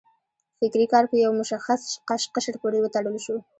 فکري کار په یو مشخص قشر پورې وتړل شو.